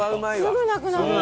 すぐなくなる！